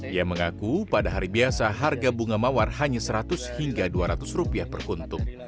ia mengaku pada hari biasa harga bunga mawar hanya seratus hingga dua ratus rupiah per kuntung